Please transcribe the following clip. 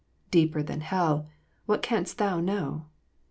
deeper than hell ; what canst thou know